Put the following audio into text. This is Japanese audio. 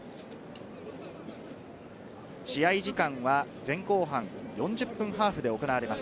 試合時間は前後半４０分ハーフで行われます。